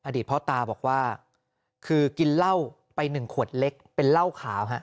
พ่อตาบอกว่าคือกินเหล้าไป๑ขวดเล็กเป็นเหล้าขาวฮะ